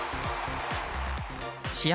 試合